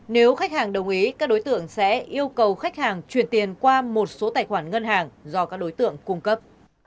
nếu khách hàng đồng ý các đối tượng sẽ yêu cầu khách hàng chuyển tiền qua một số tài khoản ngân hàng do các đối tượng cung cấp